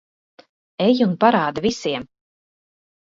Ej un parādi visiem.